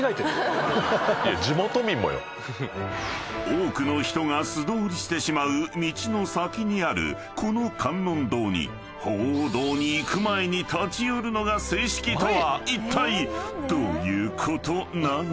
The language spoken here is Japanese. ［多くの人が素通りしてしまう道の先にあるこの観音堂に鳳凰堂に行く前に立ち寄るのが正式とはいったいどういうことなのか？］